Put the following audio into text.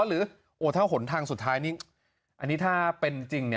หรือถ้าหนทางสุดท้ายนี้อันนี้ถ้าเป็นจริง